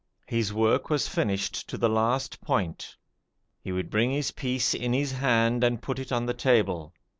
His work was finished to the last point. He would bring his piece in his hand and put it on the table.